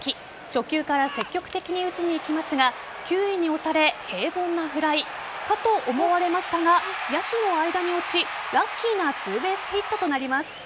初球から積極的に打ちにいきますが球威に押され、平凡なフライかと思われましたが野手の間に落ちラッキーなツーベースヒットとなります。